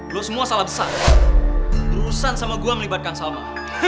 lu semua salah besar urusan sama gua melibatkan salma